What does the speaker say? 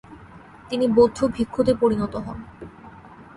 তিনি বৌদ্ধ ভিক্ষুতে পরিণত হন।